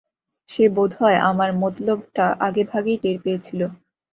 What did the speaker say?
সে বোধহয় আমার মতলবটো আগেভাগেই টের পেয়েছিল।